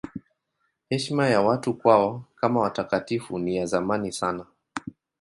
Heshima ya watu kwao kama watakatifu ni ya zamani sana.